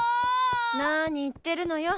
なに言ってるのよ。